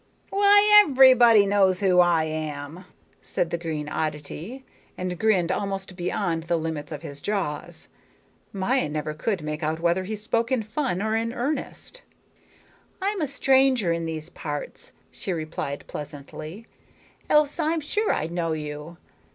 "Why, everybody knows who I am," said the green oddity, and grinned almost beyond the limits of his jaws. Maya never could make out whether he spoke in fun or in earnest. "I'm a stranger in these parts," she replied pleasantly, "else I'm sure I'd know you.